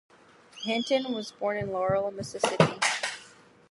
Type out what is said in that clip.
Hinton was born in Laurel, Mississippi.